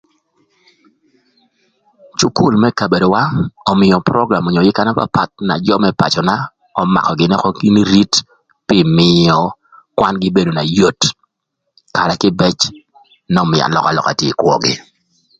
Cukul më kabedowa ömïö program onyo ïka na papath na jö më pacöna ömakö gïnï ökö nï rit pï mïö kwangï bedo na yot karë kïbëc n'ömïö alökalöka tye ï kwögï